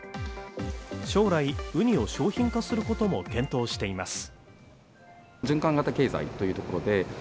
将来ウニを商品化することも検討しています